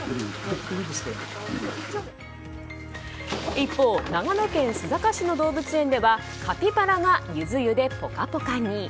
一方、長野県須坂市の動物園ではカピバラがゆず湯でポカポカに。